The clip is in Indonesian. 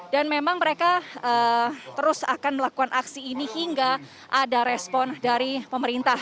dan memang mereka terus akan melakukan aksi ini hingga ada respon dari pemerintah